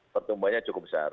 pertumbuhannya cukup besar